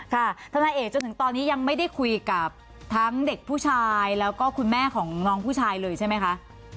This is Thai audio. ทนายเอกจนถึงตอนนี้ยังไม่ได้คุยกับทั้งเด็กผู้ชายแล้วก็คุณแม่ของน้องผู้ชายเลยใช่ไหมคะ